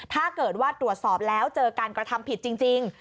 ถ้าเกิดว่าตรวจสอบแล้วเจอการกระทำผิดจริง